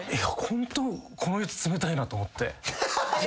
ホントこの人冷たいなと思って。